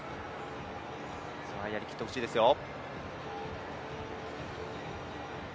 やりきってほしいですよ。